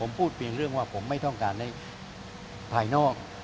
ผมพูดเพียงเรื่องว่าผมไม่ต้องการให้ภายนอก